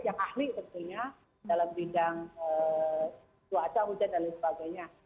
yang ahli tentunya dalam bidang cuaca hujan dan lain sebagainya